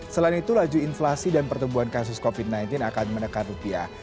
selain itu laju inflasi dan pertumbuhan kasus covid sembilan belas akan menekan rupiah